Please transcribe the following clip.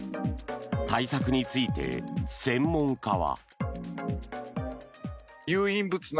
対策について、専門家は。